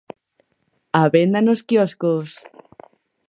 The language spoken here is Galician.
Á venda nos quioscos.